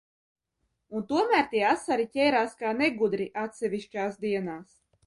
Un tomēr tie asari ķērās kā negudri, atsevišķās dienās.